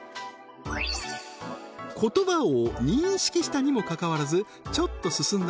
言葉を認識したにもかかわらずちょっと進んだ